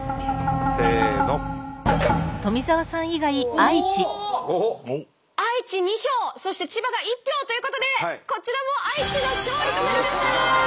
愛知２票そして千葉が１票ということでこちらも愛知の勝利となりました！